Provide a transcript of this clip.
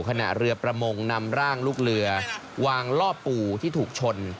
เรือประมงนำร่างลูกเรือวางล่อปู่ที่ถูกชน